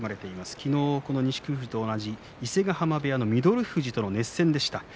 昨日、錦富士と同じ伊勢ヶ濱部屋の翠富士と熱戦がありました。